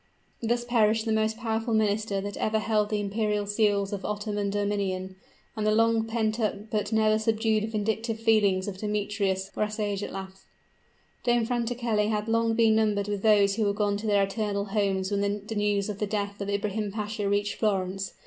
Thus perished the most powerful minister that ever held the imperial seals of Ottoman domination; and the long pent up but never subdued vindictive feelings of Demetrius were assuaged at length! Dame Francatelli had long been numbered with those who were gone to their eternal homes when the news of the death of Ibrahim Pasha reached Florence.